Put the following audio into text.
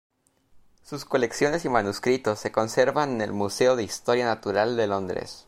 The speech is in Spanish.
Sus colecciones y manuscritos se conservan en el Museo de Historia Natural de Londres.